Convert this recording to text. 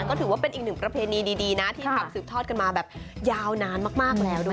ก็ถือว่าเป็นอีกหนึ่งประเพณีดีนะที่ทำสืบทอดกันมาแบบยาวนานมากแล้วด้วย